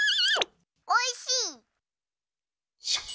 おいしい！